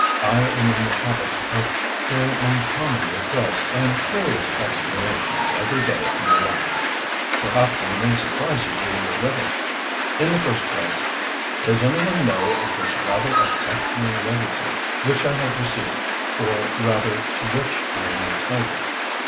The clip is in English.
I am in the habit of hearing uncommon requests and curious explanations every day of my life." "Perhaps I may surprise even you a little. In the first place, does any one know of this rather exceptional legacy which I have received, or rather to which I am entitled?"